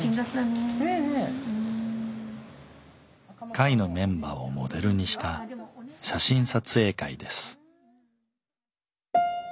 会のメンバーをモデルにした写真撮影会です。